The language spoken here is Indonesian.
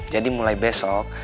jadi mulai besok